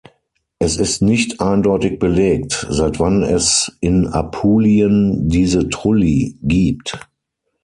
Es ist nicht eindeutig belegt, seit wann es in Apulien diese Trulli gibt.